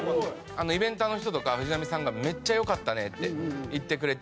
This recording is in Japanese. イベンターの人とか藤波さんがめっちゃ良かったねって言ってくれて。